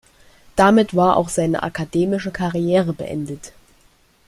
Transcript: Damit war auch seine akademische Karriere beendet.